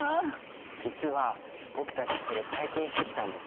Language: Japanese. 実は僕たちそれ体験してきたんですよ。